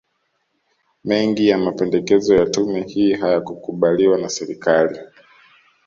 Mengi ya mapendekezo ya tume hii hayakukubaliwa na Serikali